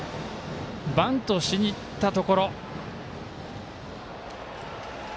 バントしにいったところ。